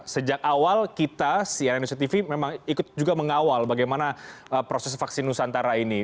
sejak awal kita cnn indonesia tv memang ikut juga mengawal bagaimana proses vaksin nusantara ini